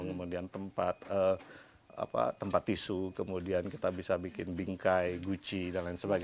kemudian tempat tisu kemudian kita bisa bikin bingkai guci dan lain sebagainya